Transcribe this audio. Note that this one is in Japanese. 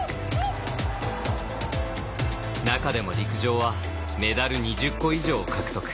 中でも陸上はメダル２０個以上を獲得。